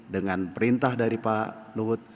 dengan perintah dari pak luhut